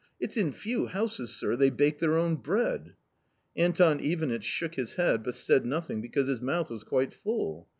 It's in few houses, sir, they bake their own bread." Anton Ivanitch shook his head, but said nothing because his mouth was quite full.